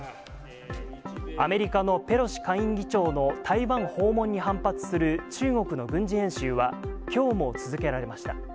アメリカのペロシ下院議長の台湾訪問に反発する中国の軍事演習は、きょうも続けられました。